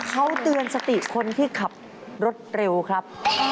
เขาเตือนสติคนที่ขับรถเร็วครับ